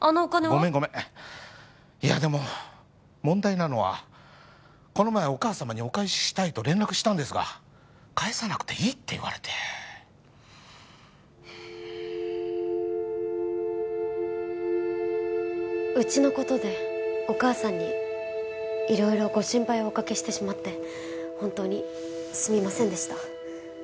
ごめんごめんいやでも問題なのはこの前お義母様にお返ししたいと連絡したんですが返さなくていいって言われてうちのことでお義母さんに色々ご心配をおかけしてしまって本当にすみませんでした